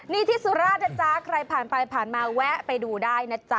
นี่ที่สุราชนะจ๊ะใครผ่านไปผ่านมาแวะไปดูได้นะจ๊ะ